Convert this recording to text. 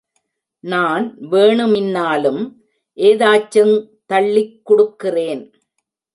நான் வேணுமின்னாலும் எதாச்சுங் தள்ளிக் குடுக்கிறேன்.